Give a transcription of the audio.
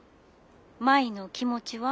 ☎舞の気持ちは？